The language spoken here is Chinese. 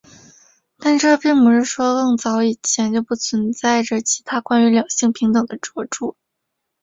但这并不是说更早以前就不存在着其他关于两性平等的着作。